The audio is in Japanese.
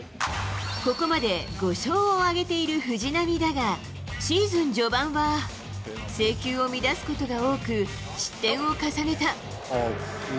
ここまで５勝を挙げている藤浪だが、シーズン序盤は制球を乱すことが多く、失点を重ねた。